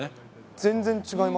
全然違います？